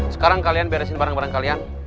sekarang kalian beresin barang barang kalian